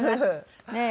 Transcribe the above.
ねえ。